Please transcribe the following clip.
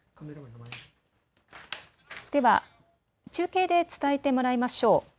では中継で伝えてもらいましょう。